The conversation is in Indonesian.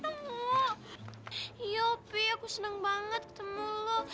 tapi aku senang banget ketemu lo